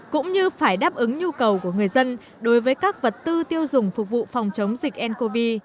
cũng như phải đáp ứng nhu cầu của người dân đối với các vật tư tiêu dùng phục vụ phòng chống dịch ncov